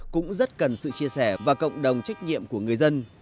cũng rất cần sự chia sẻ và cộng đồng trách nhiệm của người dân